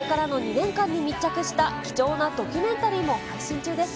それからの２年間に密着した貴重なドキュメンタリーも配信中です。